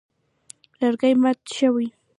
لرګي مات شول.